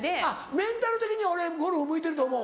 メンタル的に俺ゴルフ向いてると思う。